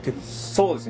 そうですね